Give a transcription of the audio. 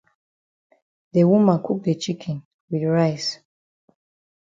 De woman cook de chicken wit rice.